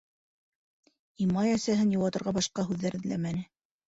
Имай әсәһен йыуатырға башҡа һүҙҙәр эҙләмәне.